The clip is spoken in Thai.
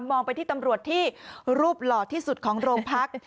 ไปที่ตำรวจที่รูปหล่อที่สุดของโรงพัก